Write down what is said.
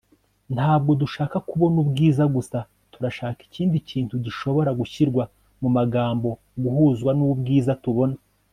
ntabwo dushaka kubona ubwiza gusa turashaka ikindi kintu gishobora gushyirwa mu magambo - guhuzwa n'ubwiza tubona